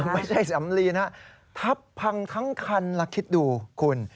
ไม่ใช่สำลีนะทับพังทั้งคันแล้วคิดดูคุณ